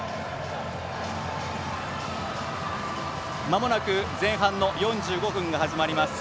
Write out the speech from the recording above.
まもなく前半の４５分が始まります。